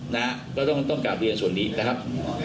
นะฮะก็ต้องกลับเรียนส่วนนี้นะครับ